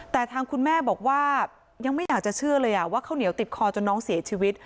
แต่ทางคุณแม่บอกว่ายังไม่อยากจะเชื่อเลยว่าข้าวเหนียวติดคอจนน้องเสียชีวิต